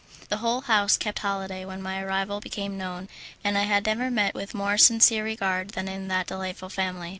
The whole house kept holiday when my arrival became known, and I have never met with more sincere regard than in that delightful family.